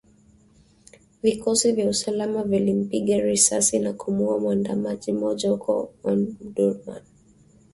Vikosi vya usalama vilimpiga risasi na kumuuwa muandamanaji mmoja huko Omdurman